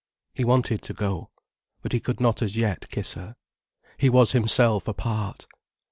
He wanted to go. But he could not as yet kiss her. He was himself apart.